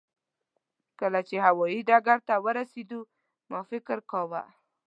کله چې هوایي ډګر ته ورسېدو ما فکر کاوه.